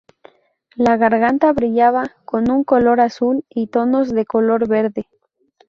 La garganta brillaba con un color azul y tonos de color verde.